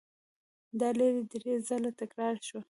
دا لړۍ درې ځله تکرار شوه.